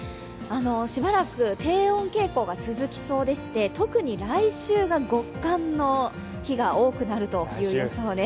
しばらく低温傾向が続きそうでして特に来週が極寒の日が多くなるという予想です。